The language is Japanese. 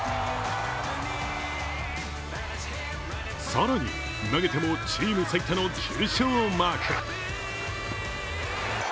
更に投げてもチーム最多の９勝をマーク。